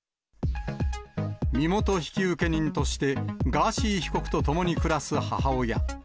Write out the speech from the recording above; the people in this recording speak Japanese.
身元引受人として、ガーシー被告と共に暮らす母親。